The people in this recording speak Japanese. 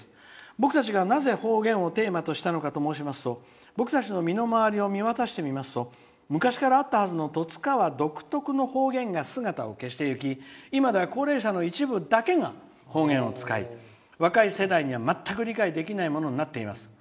僕たちがなぜ方言をテーマにしたかと思いますと僕たちの周りを見渡しますと昔からあったはずの十津川独特の方言が姿を消している気がして今では高齢者の一部だけが方言を使い若い世代には全く理解できないものになっています」。